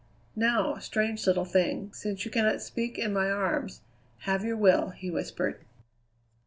"Now, strange little thing, since you cannot speak in my arms, have your will!" he whispered.